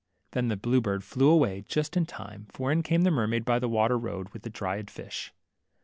Then the blue bird flew aiway, just in time ; for in came the mermaid by the water road, with the dried fish.